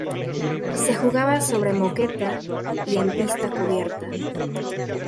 Se jugaba sobre moqueta y en pista cubierta.